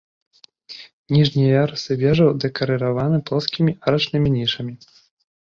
Ніжнія ярусы вежаў дэкарыраваны плоскімі арачнымі нішамі.